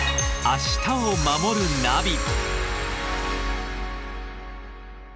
「明日をまもるナビ」